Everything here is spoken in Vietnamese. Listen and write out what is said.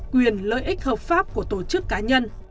quyền lợi ích hợp pháp của tổ chức cá nhân